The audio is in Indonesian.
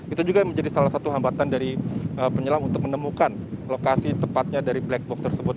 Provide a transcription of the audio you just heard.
itu juga menjadi salah satu hambatan dari penyelam untuk menemukan lokasi tepatnya dari black box tersebut